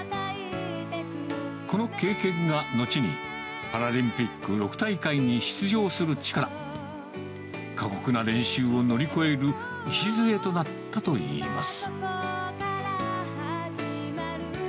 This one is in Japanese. この経験が、後に、パラリンピック６大会に出場する力、過酷な練習を乗り越える礎となったといいます。